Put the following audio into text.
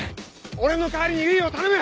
俺の代わりに唯を頼む！